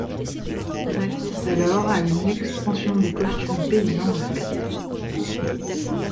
On assiste alors à une expansion des costumes paysans de fête.